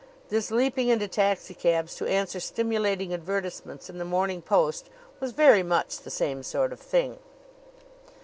This leaping into taxicabs to answer stimulating advertisements in the Morning Post was very much the same sort of thing.